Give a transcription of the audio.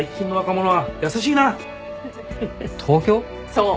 そう。